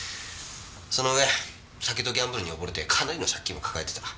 その上酒とギャンブルに溺れてかなりの借金も抱えてた。